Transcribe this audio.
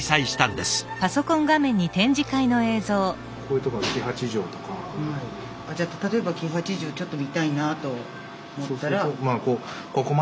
じゃあ例えば黄八丈ちょっと見たいなと思ったら。